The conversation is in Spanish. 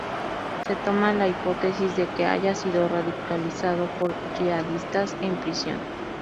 Se toma la hipótesis de que haya sido radicalizado por yihadistas en prisión.